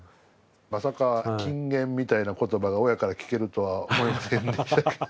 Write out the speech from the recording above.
まさか金言みたいな言葉が親から聞けるとは思いませんでしたけど。